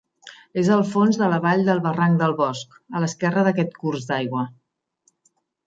És al fons de la vall del barranc del Bosc, a l'esquerra d'aquest curs d'aigua.